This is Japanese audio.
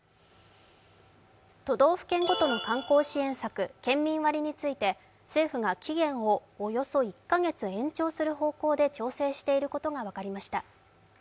都道府県ごとの観光支援策、県民割について政府が期限をおよそ１カ月延長する方向で調整していることが分かりました。